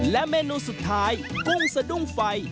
และเมนูสุดท้ายกุ้งสะดุ้งไฟ